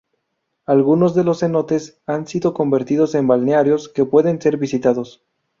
Algunos de los cenotes han sido convertidos en balnearios que pueden ser visitados.